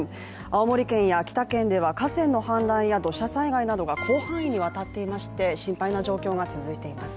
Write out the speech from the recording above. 青森県や秋田県では河川の氾濫や土砂災害などが広範囲にわたっていまして心配な状況が続いています。